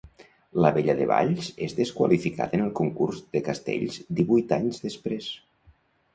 La Vella de Valls és desqualificada en el Concurs de Castells divuit anys després.